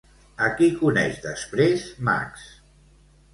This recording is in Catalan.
A qui coneix després Max?